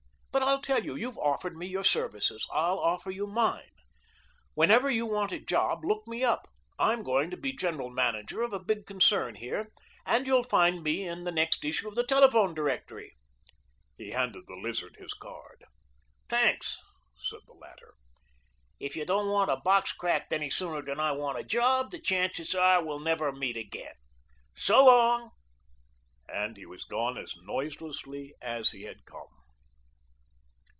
But I'll tell you: you've offered me your services; I'll offer you mine. Whenever you want a job, look me up. I'm going to be general manager of a big concern here, and you'll find me in the next issue of the telephone directory." He handed the Lizard his card. "Tanks," said the latter. "If you don't want a box cracked any sooner than I want a job, the chances are we will never meet again. So long," and he was gone as noiselessly as he had come.